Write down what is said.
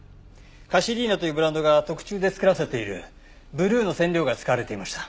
Ｃａｓｉｌｉｎａというブランドが特注で作らせているブルーの染料が使われていました。